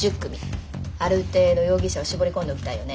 ある程度容疑者を絞り込んでおきたいよね。